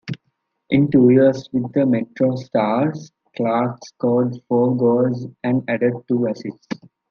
In two years with the MetroStars, Clark scored four goals and added two assists.